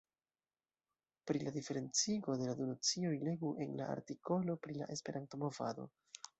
Pri la diferencigo de la du nocioj legu en la artikolo pri la Esperanto-movado.